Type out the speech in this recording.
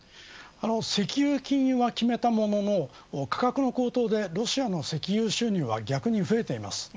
石油禁輸は決めたものの価格の高騰でロシアの石油収入は逆に増えています。